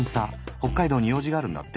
北海道に用事があるんだって。